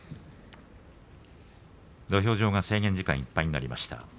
土俵上が制限時間いっぱいになりました。